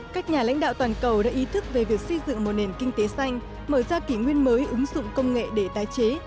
các nhà lãnh đạo toàn cầu đã ý thức về việc xây dựng một nền kinh tế xanh mở ra kỷ nguyên mới ứng dụng công nghệ để tái chế